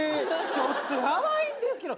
ちょっとヤバいんですけど。